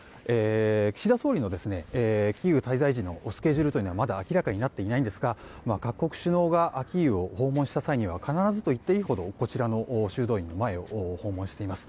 岸田総理のキーウ滞在時のスケジュールはまだ明らかになっていないんですが各国首脳がキーウを訪問した際には必ずと言っていいほどこちらの修道院の前を訪問しています。